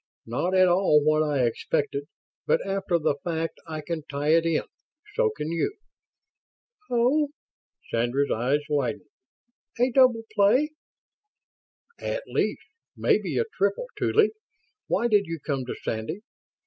"Not at all what I expected, but after the fact I can tie it in. So can you." "Oh!" Sandra's eyes widened. "A double play?" "At least. Maybe a triple. Tuly, why did you come to Sandy?